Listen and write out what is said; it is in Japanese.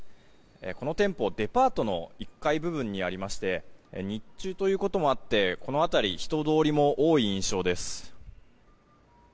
この店舗デパートの１階部分にありまして日中ということもあってこの辺り人通りも多い印象です。